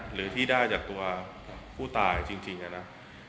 หรือที่ได้จากตัวผู้ตายจริงนะ